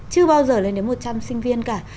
chưa bao giờ lên đến một trăm linh sinh viên cả